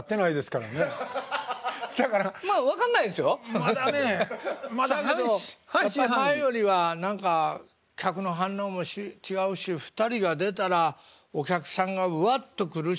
そやけど前よりは何か客の反応も違うし２人が出たらお客さんがわっと来るし。